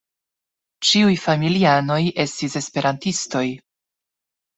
Ĉiuj familianoj estis Esperantistoj.